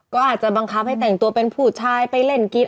ก็อาจจะบังคับให้แต่งตัวเป็นผู้ชายไปเล่นกิน